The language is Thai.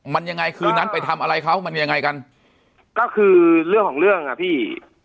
มันยังไงคืนนั้นไปทำอะไรเขามันยังไงกันก็คือเรื่องของเรื่องอ่ะพี่